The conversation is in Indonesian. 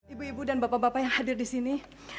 ibu ibu dan bapak bapak yang hadir disini